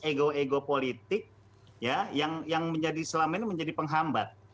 ego ego politik ya yang selama ini menjadi penghambat